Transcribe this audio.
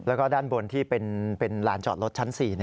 แล้วก็ด้านบนที่เป็นลานจอดรถชั้น๔